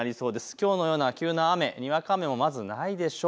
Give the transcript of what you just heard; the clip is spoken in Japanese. きょうのような急な雨、にわか雨もまずないでしょう。